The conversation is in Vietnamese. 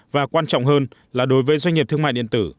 và quan trọng hơn là đối với doanh nghiệp thương mại điện tử